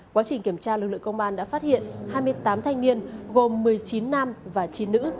quá trình kiểm tra lực lượng công an đã phát hiện hai mươi tám thanh niên gồm một mươi chín nam và chín nữ